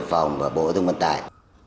và bộ giao thông vận tải